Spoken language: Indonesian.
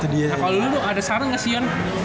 nah kalau lo ada saran nggak sih yon